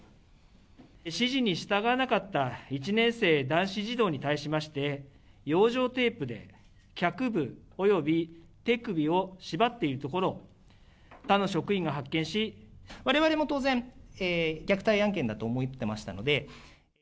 指示に従わなかった１年生男子児童に対しまして、養生テープで脚部および手首を縛っているところを、他の職員が発われわれも当然、虐待案件だと思ってましたので。